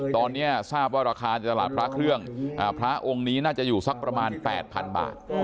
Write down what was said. ตอนนี้ทราบว่าราคาในตลาดพระเครื่องพระองค์นี้น่าจะอยู่สักประมาณ๘๐๐๐บาท